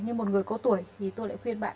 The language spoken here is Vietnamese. như một người có tuổi thì tôi lại khuyên bạn